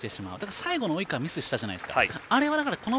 最後、及川ミスしたじゃないですか。